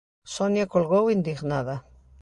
Sonia colgou indignada.